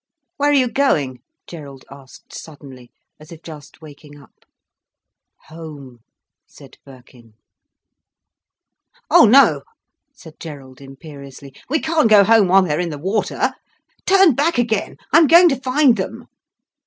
"Where are you going?" Gerald asked suddenly, as if just waking up. "Home," said Birkin. "Oh no!" said Gerald imperiously. "We can't go home while they're in the water. Turn back again, I'm going to find them."